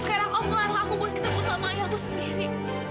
sekarang om melarang aku buat ketemu sama ayahku sendiri